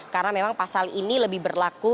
karena memang pasal ini lebih berlaku